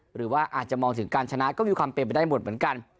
หรือว่าอาจจะมองถึงการชนะก็มีความเป็นไปได้หมดเหมือนกัน